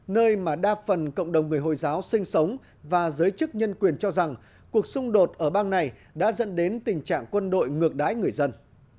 nơi mà đa phần cộng đồng người hồi giáo sinh sống và giới chức nhân quyền cho rằng cuộc xung đột ở bang này đã dẫn đến tình trạng quân đội ngược đáy người dân